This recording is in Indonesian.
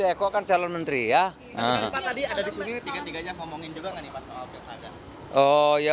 eko kan calon menteri ya